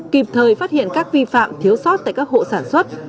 kịp thời phát hiện các vi phạm thiếu sót tại các hộ sản xuất